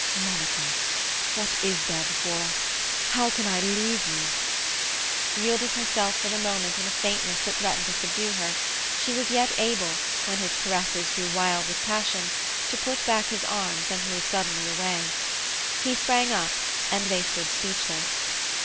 "Monica!—what is there before us? How can I leave you?" Yielding herself for the moment in a faintness that threatened to subdue her, she was yet able, when his caresses grew wild with passion, to put back his arms and move suddenly away. He sprang up, and they stood speechless.